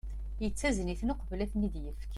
Yettazen-iten uqbel ad ten-id-yefk.